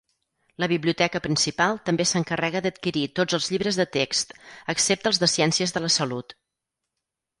La Biblioteca principal també s'encarrega d'adquirir tots els llibres de text, excepte els de ciències de la salut.